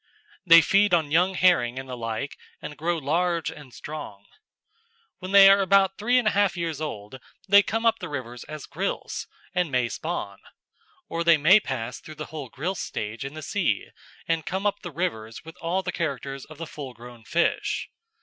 They feed on young herring and the like and grow large and strong. When they are about three and a half years old they come up the rivers as grilse and may spawn. Or they may pass through the whole grilse stage in the sea and come up the rivers with all the characters of the full grown fish.